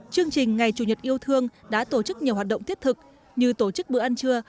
chương trình ngày chủ nhật yêu thương đã tổ chức nhiều hoạt động thiết thực như tổ chức bữa ăn trưa